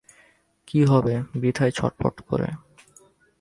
কী হবে বৃথ্যায ছটফট করে।